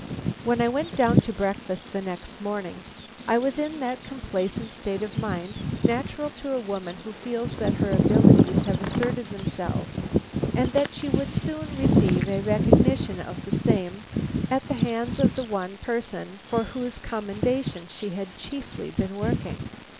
When I went down to breakfast the next morning, I was in that complacent state of mind natural to a woman who feels that her abilities have asserted themselves and that she would soon receive a recognition of the same at the hands of the one person for whose commendation she had chiefly been working.